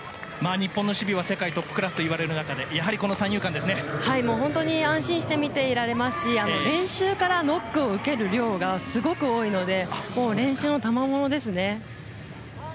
日本の守備は世界トップクラスといわれる中で安心して見ていられますし練習からノックを受ける量がすごく多いので練習のたまものですね。